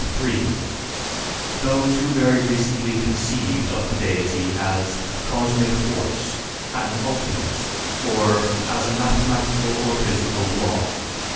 (3) Those who very recently conceived of the deity as a "cosmic force," an "ultimate," or as a mathematical or physical law.